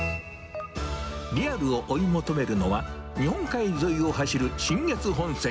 リアルを追い求めるのは、日本海沿いを走る信越本線。